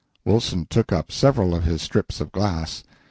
Wilson took up several of his strips of glass.